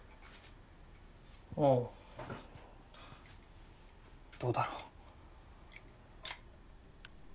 うんどうだろう。